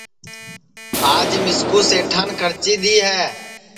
آج مِسکُُو سیٹان کھرچی دؔی ہے